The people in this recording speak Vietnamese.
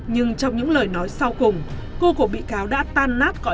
nhưng trong những lời nói sau cùng